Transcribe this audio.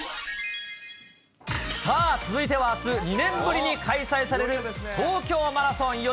さあ続いては、あす、２年ぶりに開催される東京マラソン。